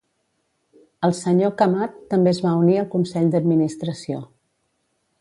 El Sr. Kamat també es va unir al consell d'administració.